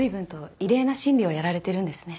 異例な審理をやられてるんですね。